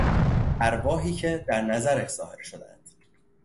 ارواحی که در نظرش ظاهر شدند